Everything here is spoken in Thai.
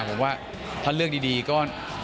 ผมว่าถ้าเลือกดีก็